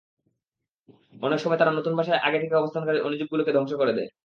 অনেক সময় তারা নতুন বাসায় আগে থেকে অবস্থানকারী অণুজীবগুলোকে ধ্বংস করে দেয়।